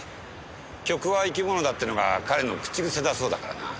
曲は生き物だっていうのが彼の口癖だそうだからな。